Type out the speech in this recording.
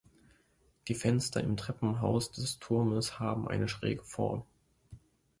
Die Fenster im Treppenhaus des Turmes haben eine schräge Form.